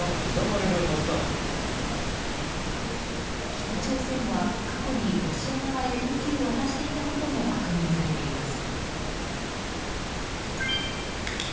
北朝鮮は過去にロシア側へ武器を渡していたことも確認されています。